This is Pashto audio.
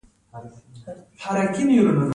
د بخش اباد بند کار کله ماتیږي؟